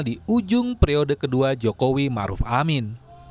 di ujung periode kedua jokowi maruf amin